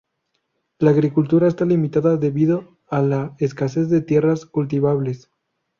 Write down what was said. La agricultura está limitada debido a la escasez de tierras cultivables.